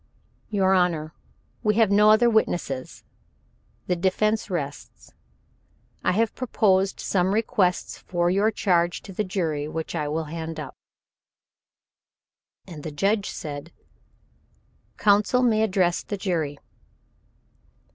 "Your Honor, we have no other witness; the defense rests. I have proposed some requests for your charge to the jury which I will hand up." And the judge said: "Counsel may address the jury."